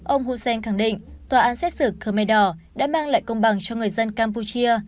ông husen khẳng định tòa án xét xử khmer đỏ đã mang lại công bằng cho người dân campuchia